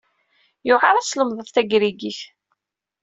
Yewɛer ad tlemdeḍ tagrigit?